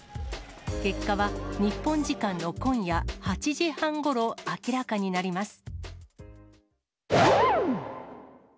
結果は日本時間の今夜８時半ごろ、明らかになります。